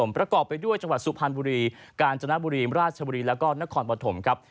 ประกอบไปด้วยจังหวัดสุพรรณบุรีกาญจนบุรีราชบุรีแล้วก็นครปฐมครับ